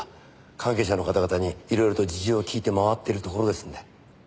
関係者の方々に色々と事情を聞いて回ってるところですので。